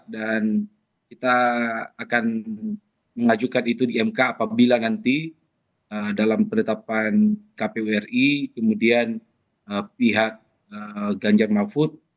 dan kita akan mengajukan itu di mk apabila nanti dalam penetapan kpuri kemudian pihak ganjar mahfud